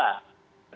revisi atau tidak